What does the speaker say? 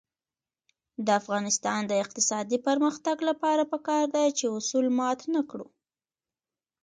د افغانستان د اقتصادي پرمختګ لپاره پکار ده چې اصول مات نکړو.